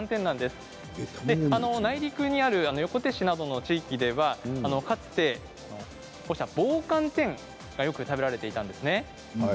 内陸にある横手市などの地域ではかつて棒寒天がよく食べられていたんですね。